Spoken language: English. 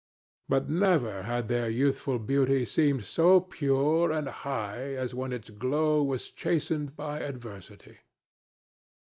But never had their youthful beauty seemed so pure and high as when its glow was chastened by adversity.